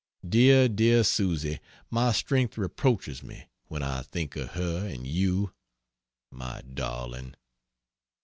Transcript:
Dear, dear Susy my strength reproaches me when I think of her and you, my darling.